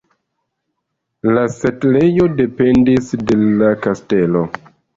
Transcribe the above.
La setlejo dependis de la kastelo.